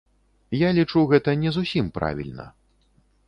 Я лічу, гэта не зусім правільна.